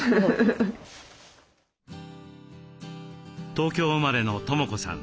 東京生まれの知子さん。